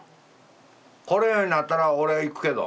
来れんようになったら俺行くけど。